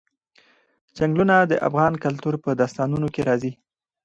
چنګلونه د افغان کلتور په داستانونو کې راځي.